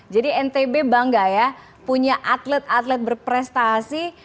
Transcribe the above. jadi ntb bangga ya punya atlet atlet berprestasi